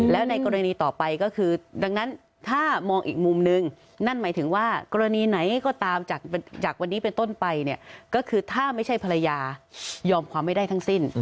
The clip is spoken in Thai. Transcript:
แล้วในกรณีต่อไปก็คือดังนั้นถ้ามองอีกมุมนึงนั่นหมายถึงว่ากรณีไหนก็ตามจากวันนี้เป็นต้นไปเนี่ยก็คือถ้าไม่ใช่ภรรยายอมความไม่ได้ทั้งสิ้น